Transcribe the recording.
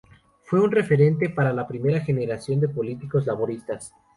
Fue un referente para la primera generación de políticos laboristas.